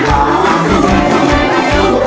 ร้องได้ให้ร้าง